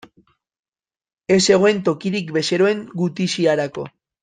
Ez zegoen tokirik bezeroen gutiziarako.